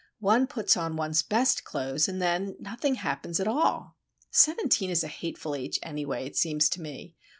"One puts on one's best clothes, and then nothing happens at all! Seventeen is a hateful age anyway, it seems to me.